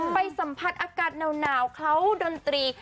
ไปสัมผัสอากาศหนาวเขาดนตรี